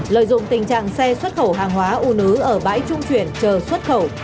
lợi dụng tình trạng xe xuất khẩu hàng hóa u nứ ở bãi trung chuyển chờ xuất khẩu